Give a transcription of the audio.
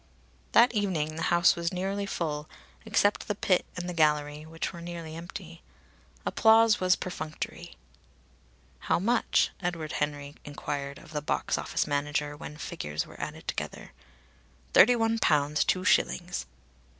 That evening the house was nearly full, except the pit and the gallery, which were nearly empty. Applause was perfunctory. "How much?" Edward Henry enquired of the box office manager when figures were added together. "Thirty one pounds two shillings."